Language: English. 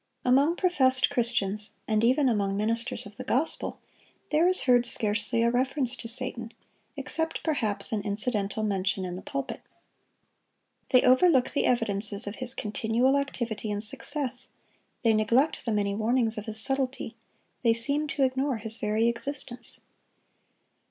Among professed Christians, and even among ministers of the gospel, there is heard scarcely a reference to Satan, except perhaps an incidental mention in the pulpit. They overlook the evidences of his continual activity and success; they neglect the many warnings of his subtlety; they seem to ignore his very existence.